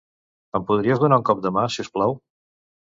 Em podries donar un cop de mà, si us plau?